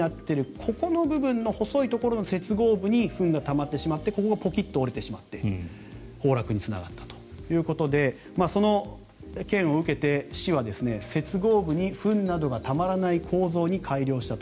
ここの部分の細いところの接合部にフンがたまってしまってここがポキッと折れてしまって崩落につながったということでその件を受けて市は接合部にフンなどがたまらない構造に改良したと。